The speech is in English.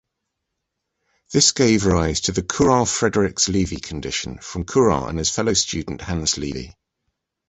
This gave rise to the Courant-Friedrichs-Lewy condition, from Courant and his fellow student Hans Lewy.